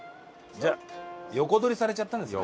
横取りされちゃったんですね。